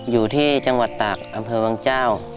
อยู่ที่จังหวัดตากอำเภอวังเจ้า